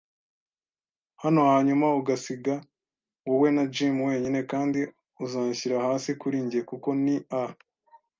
hano - hanyuma ugasiga wowe na Jim wenyine. Kandi uzanshyira hasi kuri njye, kuko ni a